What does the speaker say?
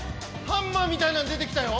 ハンマーみたいなの出てきたよ